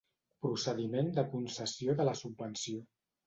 Procediment de concessió de la subvenció.